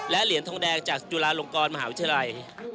และเหรียญทองแดงจากจุฬาลงกรมหาวิทยาลัย